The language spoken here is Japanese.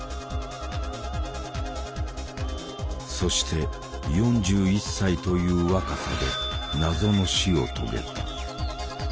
そして４１歳という若さで謎の死を遂げた。